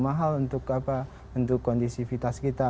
mahal untuk kondisivitas kita